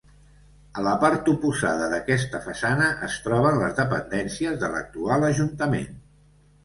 A la part oposada d'aquesta façana es troben les dependències de l'actual Ajuntament.